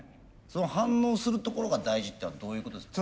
その反応するところが大事っていうのはどういうことですか？